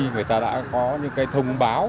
người ta đã có những cái thông báo